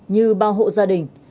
như bao hộ gia đình